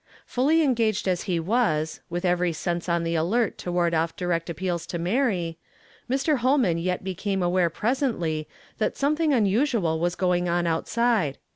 Fully engaged as he was, with eveiy sense on the alert to ward off direct appeals to Mary, Mr. Ilolman yet became aware presently that some thing unusual was going on outside.